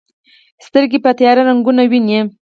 سترګې په تیاره رنګونه ویني.